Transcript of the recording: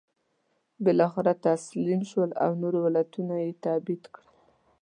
بالاخره تسلیم شول او نورو ولایتونو ته یې تبعید کړل.